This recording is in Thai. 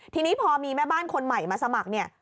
ทีนี้พอมีแม่บ้านคนใหม่มาสมัครเนี่ย